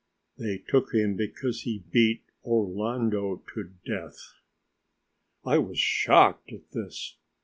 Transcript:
They took him because he beat Orlando to death." I was shocked at this.